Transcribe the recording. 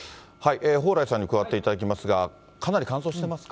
蓬莱さんに加わっていただきますが、かなり乾燥してますか？